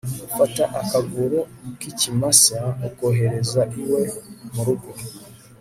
ufate akaguru k'ikimasa ukohereze iwe mu rugo